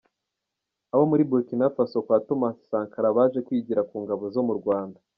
Abo muri Burkina Faso kwa Thomas Sankara baje kwigira ku ngabo zo mu Rwanda.